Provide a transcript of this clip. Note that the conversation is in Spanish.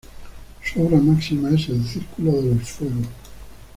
Su obra máxima es El Círculo de los Fuegos.